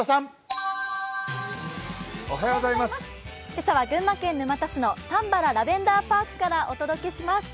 今朝は群馬県沼田市のたんばらラベンダーパークからお届けします。